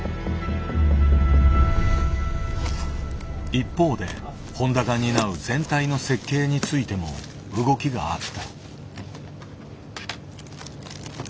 一方で誉田が担う全体の設計についても動きがあった。